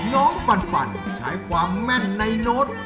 น้องฟันฟันใช้ความแม่นในโน้ต